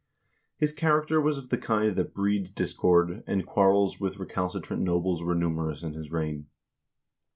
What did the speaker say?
His character was of the kind that breeds discord, and quarrels with recalcitrant nobles were numerous in his reign.